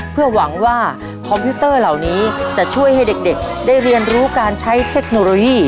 เพื่อหวังว่าคอมพิวเตอร์เหล่านี้จะช่วยให้เด็กได้เรียนรู้การใช้เทคโนโลยี